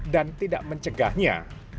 dan tidak mencegahnya